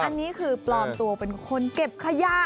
อันนี้คือปลอมตัวเป็นคนเก็บขยะ